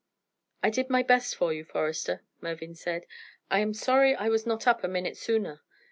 "I did my best for you, Forester," Mervyn said. "I am sorry I was not up a minute sooner.